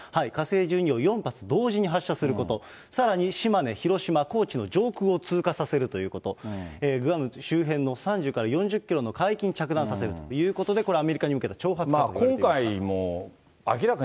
火星１２を４発同時に発射すること、さらに島根、広島、高知の上空を通過させるということ、グアム周辺の３０から４０キロの海域に着弾させるということで、これ、アメリカに向けた挑発だといわれていると。